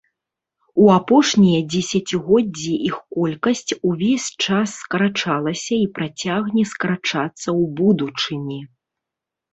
У апошнія дзесяцігоддзі іх колькасць увесь час скарачалася і працягне скарачацца ў будучыні.